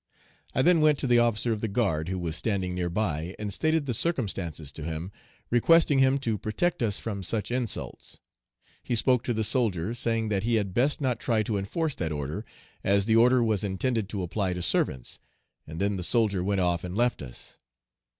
I then went to the officer of the guard, who was standing near by, and stated the circumstances to him, requesting him to protect us from such insults. He spoke to the soldier, saying that he had best not try to enforce that order, as the order was intended to apply to servants, and then the soldier went off and left us.